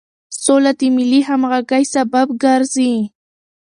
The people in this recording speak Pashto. سوله د ملي همغږۍ سبب ګرځي.